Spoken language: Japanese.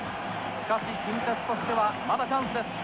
しかし近鉄としてはまだチャンスです。